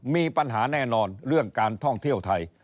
มีปัญหาแน่นอนเรื่องการท่องเที่ยวไทย